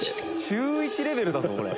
中１レベルだぞこれ。